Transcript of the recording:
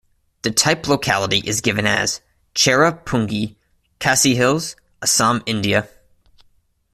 The type locality is given as: "Cherra Pungi, Khasi Hills, Assam, India".